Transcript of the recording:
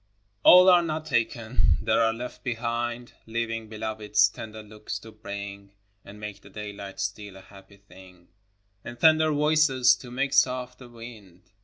A LL are not taken ! there are left behind Living Beloveds, tender looks to bring, And make the daylight still a happy thing, And tender voices, to make soft the wind.